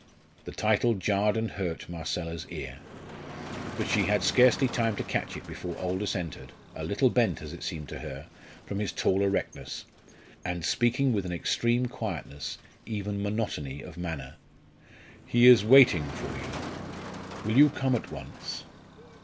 The title jarred and hurt Marcella's ear. But she had scarcely time to catch it before Aldous entered, a little bent, as it seemed to her, from his tall erectness, and speaking with an extreme quietness, even monotony of manner. "He is waiting for you will you come at once?"